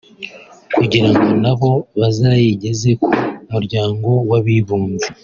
kugira ngo na bo bazayigeze ku muryango w’Abibumbye